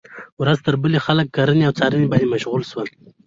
ورځ تر بلې خلک کرنې او څارنې باندې مشغول شول.